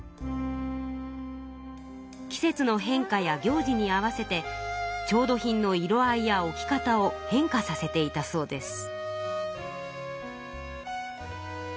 季節の変化や行事に合わせて調度品の色合いや置き方を変化させていたそうです。